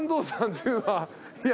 いや。